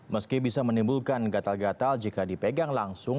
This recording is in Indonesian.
meski bisa menimbulkan gatal gatal jika dipegang langsung